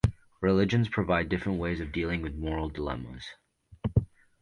Religions provide different ways of dealing with moral dilemmas.